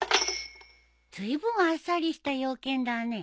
ずいぶんあっさりした用件だね。